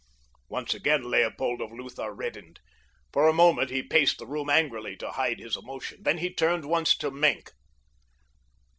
Once again Leopold of Lutha reddened. For a moment he paced the room angrily to hide his emotion. Then he turned once to Maenck.